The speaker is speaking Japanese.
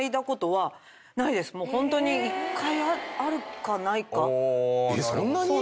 ホントに１回あるかないか。